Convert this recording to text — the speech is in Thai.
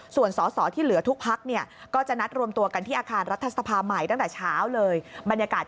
ส่วนสสที่เหลือทุกพัก